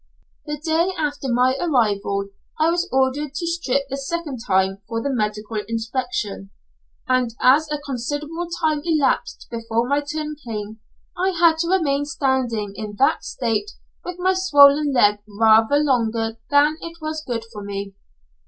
The day after my arrival I was ordered to strip a second time for the medical inspection, and as a considerable time elapsed before my turn came, I had to remain standing in that state with my swollen leg rather longer than was good for me.